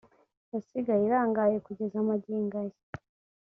yasigaye irangaye kugeza magingo aya